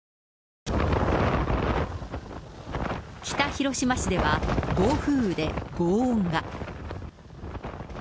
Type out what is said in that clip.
北広島市では、暴風雨でごう音が。